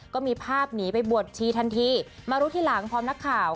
ก็มีภาพหนีไปบวชชีทันทีมารู้ทีหลังพร้อมนักข่าว